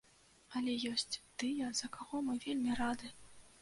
Але ёсць тыя, за каго мы вельмі рады.